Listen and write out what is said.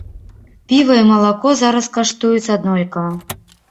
Піва і малако зараз каштуюць аднолькава.